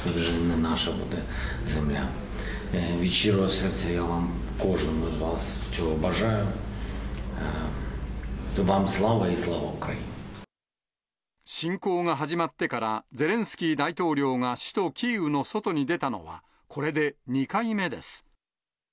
侵攻が始まってから、ゼレンスキー大統領が首都キーウの外に出たのは、これで２回目です。